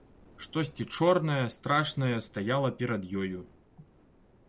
Штосьці чорнае, страшнае стаяла перад ёю.